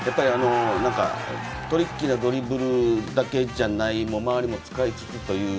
トリッキーなドリブルだけじゃない周りも使いつつという。